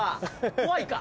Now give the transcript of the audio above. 怖いか？